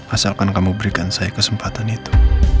asalkan kamu berikan saya kesempatan itu